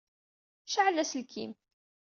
Cɛel aselkim.